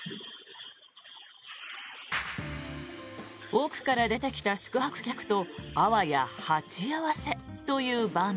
奥から出てきた宿泊客とあわや鉢合わせという場面。